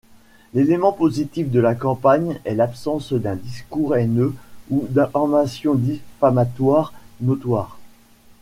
L'élément positif de la campagne est l'absence d'un discours haineux ou d'informations diffamatoires notoires.